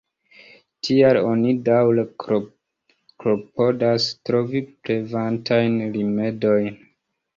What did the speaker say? Tial, oni daŭre klopodas trovi preventajn rimedojn.